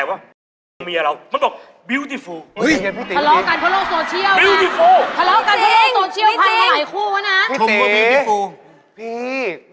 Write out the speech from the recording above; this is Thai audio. ขนาดทองพี่เขายังรักไปขายเลย